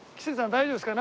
大丈夫ですか？